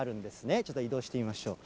ちょっと移動してみましょう。